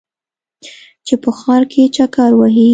چې په ښار کې چکر وهې.